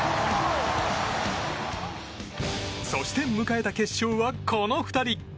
そして迎えた決勝はこの２人。